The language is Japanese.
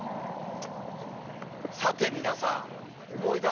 さて皆さん思い出して下さい。